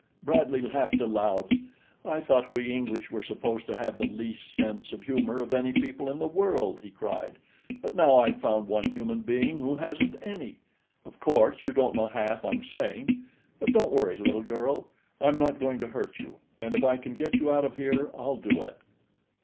Bradley laughed aloud. "I thought we English were supposed to have the least sense of humor of any people in the world," he cried; "but now I've found one human being who hasn't any. Of course you don't know half I'm saying; but don't worry, little girl; I'm not going to hurt you, and if I can get you out of here, I'll do it."